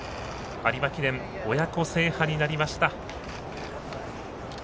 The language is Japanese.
有馬記念、親子制覇になりました。